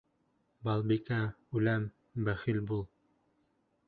Балбикә, үләм, бәхил бул.